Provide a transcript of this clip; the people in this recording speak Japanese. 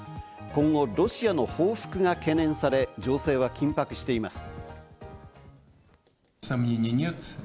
今後ロシアの報復が懸念され、情勢は緊迫しています。